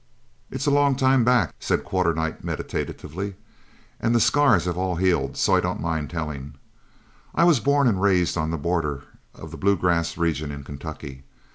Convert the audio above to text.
"It's a long time back," said Quarternight, meditatively, "and the scars have all healed, so I don't mind telling it. I was born and raised on the border of the Blue Grass Region in Kentucky.